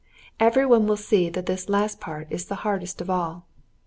Every one will see that this last part is the hardest of all.